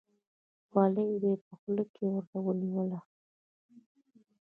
خولۍ به یې په خوله کې ورته ونیوله.